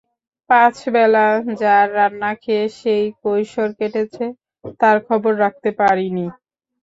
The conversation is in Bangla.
পাঁচবেলা যার রান্না খেয়ে সেই কৈশোর কেটেছে, তার খবর রাখতে পারিনি।